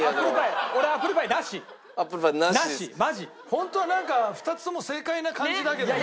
ホントはなんか２つとも正解な感じだけどね。